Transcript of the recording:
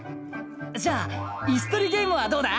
じゃあイスとりゲームはどうだ？